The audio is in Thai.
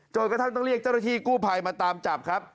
กระทั่งต้องเรียกเจ้าหน้าที่กู้ภัยมาตามจับครับ